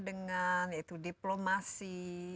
dengan itu diplomasi